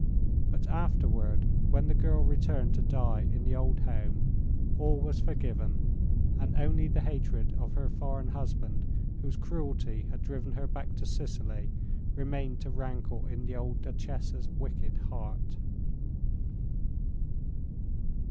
But afterward, when the girl returned to die in the old home, all was forgiven, and only the hatred of her foreign husband, whose cruelty had driven her back to Sicily, remained to rankle in the old Duchessa's wicked heart.